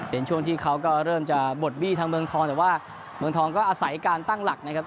เป็นช่วงที่เขาก็เริ่มจะบดบี้ทางเมืองทองแต่ว่าเมืองทองก็อาศัยการตั้งหลักนะครับ